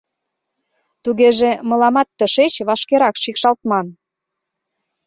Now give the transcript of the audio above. Тугеже, мыламат тышеч вашкерак шикшалтман...